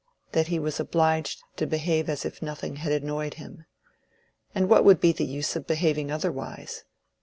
that he was obliged to behave as if nothing had annoyed him. And what would be the use of behaving otherwise?